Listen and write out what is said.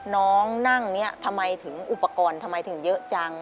น้องนั่งเนี่ยทำไมถึงอุปกรณ์ทำไมถึงเยอะจัง